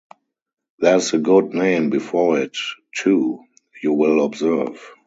‘There’s a good name before it, too, you will observe.